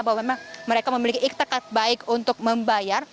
bahwa memang mereka memiliki iktekat baik untuk membayar